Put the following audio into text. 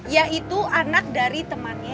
yaitu anak dari temannya